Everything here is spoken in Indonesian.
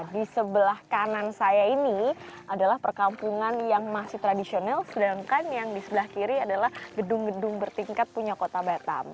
di sebelah kanan saya ini adalah perkampungan yang masih tradisional sedangkan yang di sebelah kiri adalah gedung gedung bertingkat punya kota batam